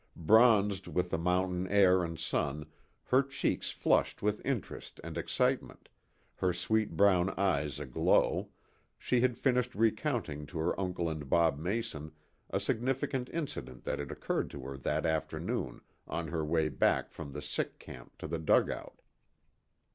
Bronzed with the mountain air and sun, her cheeks flushed with interest and excitement, her sweet brown eyes aglow, she had finished recounting to her uncle and Bob Mason a significant incident that had occurred to her that afternoon on her way from the sick camp to the dugout.